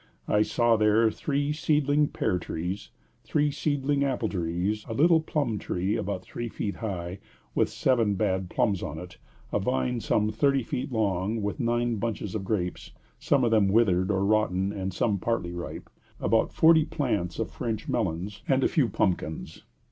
I saw there three seedling pear trees, three seedling apple trees, a little plum tree about three feet high, with seven bad plums on it, a vine some thirty feet long, with nine bunches of grapes, some of them withered or rotten and some partly ripe, about forty plants of French melons, and a few pumpkins.